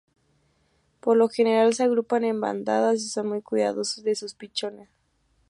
Por lo general se agrupan en bandadas, y son muy cuidadosos de sus pichones.